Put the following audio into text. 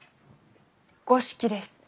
五色です。